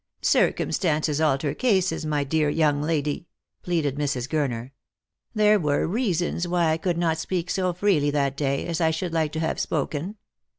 361 " Circumstances alter cases, my dear young lady," pleaded Mrs. Gurner. " There were reasons why I could not speak so freely that day as I should like to have spoken.